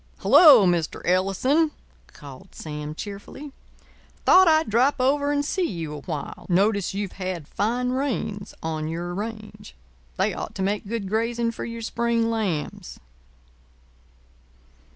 "Hello, Mr. Ellison," called Sam cheerfully. "Thought I'd drop over and see you a while. Notice you've had fine rains on your range. They ought to make good grazing for your spring lambs."